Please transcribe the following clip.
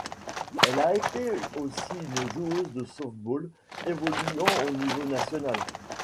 Elle a été aussi une joueuse de softball évoluant au niveau national.